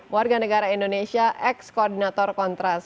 warga negara indonesia ex koordinator kontras